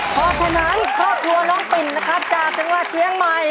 เพราะฉะนั้นครอบครัวน้องปิ่นนะครับจากจังหวัดเชียงใหม่